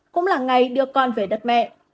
cũng là ngày đưa con về đất mẹ